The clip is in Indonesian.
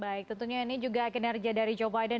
baik tentunya ini juga kinerja dari joe biden